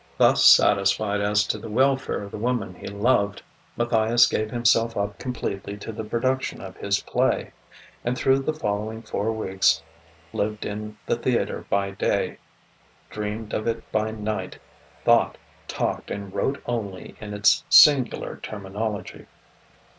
Thus satisfied as to the welfare of the woman he loved, Matthias gave himself up completely to the production of his play; and through the following four weeks lived in the theatre by day, dreamed of it by night, thought, talked, and wrote only in its singular terminology.